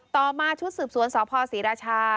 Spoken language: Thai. ต่อมาชุดสืบสวนสพศรีราชา